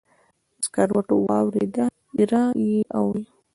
سکروټو واوریده، ایره یې اوري